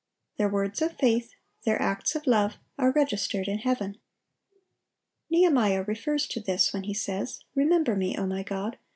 (843) Their words of faith, their acts of love, are registered in heaven. Nehemiah refers to this when he says, "Remember me, O my God